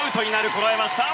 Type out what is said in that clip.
こらえました。